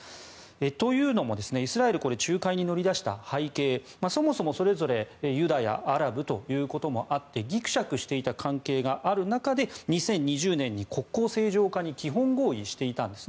というのも、イスラエル仲介に乗り出した背景そもそもそれぞれユダヤ、アラブということもあってぎくしゃくしていた関係がある中で２０２０年に国交正常化に基本合意していたんです。